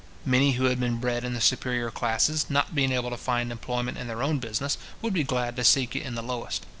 Many who had been bred in the superior classes, not being able to find employment in their own business, would be glad to seek it in the lowest.